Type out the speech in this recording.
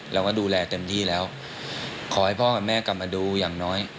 เราก็ดูแลเต็มที่แล้วขอให้พ่อกับแม่กลับมาดูอย่างน้อย